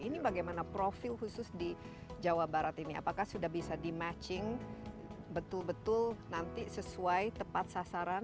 ini bagaimana profil khusus di jawa barat ini apakah sudah bisa di matching betul betul nanti sesuai tepat sasaran